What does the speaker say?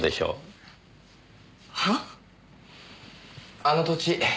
あの土地